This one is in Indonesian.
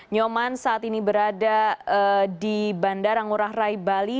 nyoman saat ini berada di bandara ngurah rai bali